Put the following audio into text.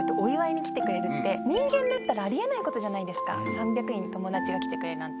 ３００人友達が来てくれるなんて。